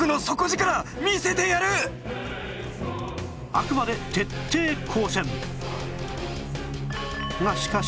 あくまで徹底抗戦！